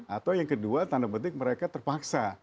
atau yang kedua tanda petik mereka terpaksa